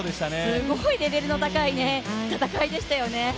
すごいレベルの高い戦いでしたよね。